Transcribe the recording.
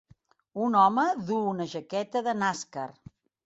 Un home duu una jaqueta de NASCAR.